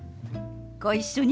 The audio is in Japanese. ご一緒に。